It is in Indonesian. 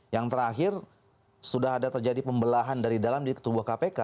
yang terakhir sudah ada terjadi pembelahan dari dalam di tubuh kpk